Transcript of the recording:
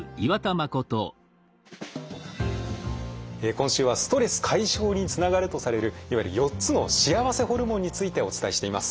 今週はストレス解消につながるとされるいわゆる４つの幸せホルモンについてお伝えしています。